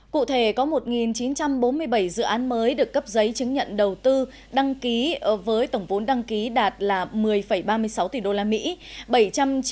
cụ thể có một chín trăm bốn mươi bảy dự án mới được cấp giấy chứng nhận đầu tư đăng ký với tổng vốn đăng ký đạt một mươi ba mươi sáu tỷ đô la mỹ